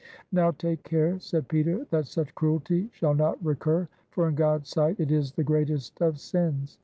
''Now take care," said Peter, "that such cruelty shall not recur; for in God's sight it is the greatest of sins.